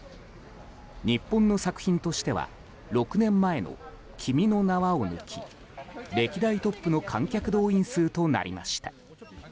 日本の作品としては６年前の「君の名は。」を抜き歴代トップの観客動員数となりました。